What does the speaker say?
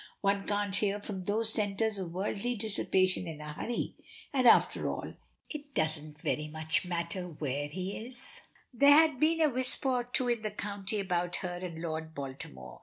One can't hear from those centres of worldly dissipation in a hurry. And after all, it really doesn't very much matter where he is! There had been a whisper or two in the County about her and Lord Baltimore.